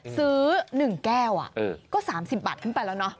ซื้อ๑แก้วก็๓๐บาทขึ้นไปแล้วเนาะ